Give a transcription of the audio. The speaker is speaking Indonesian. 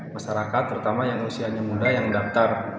masyarakat terutama yang usianya muda yang daftar